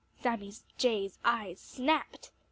Sammy Jay's eyes snapped.